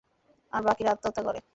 আর বাকিরা আত্মহত্যা করে।